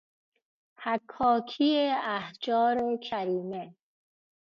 حکاکی احجار کریمه